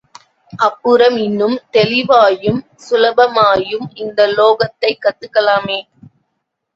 அப்புறம் இன்னும் தெளிவாயும் சுலபமாயும் இந்த லோகத்தைக் கத்துக்கலாமே!